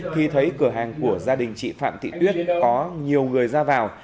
khi thấy cửa hàng của gia đình chị phạm thị tuyết có nhiều người ra vào